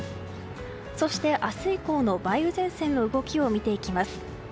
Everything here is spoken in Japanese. そして、明日以降の梅雨前線の動きを見ていきます。